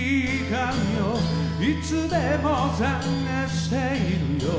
「いつでも捜しているよ